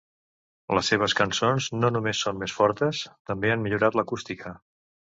Les seves cançons no només són més fortes, també han millorat l'acústica.